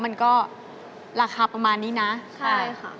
มันก็ราคาประมาณนี้นะใช่ค่ะ